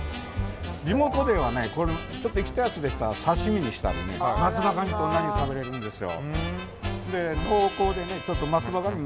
地元ではちょっと生きたやつでしたら刺身にしたりね松葉ガニと同じように食べられるんですよ。